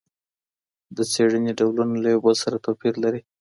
د څېړني ډولونه له یو بل سره توپیر لري.